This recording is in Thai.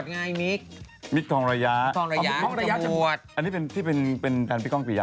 ไม่มีแล้วเขาเปิดเพลงไล่ละเนี่ย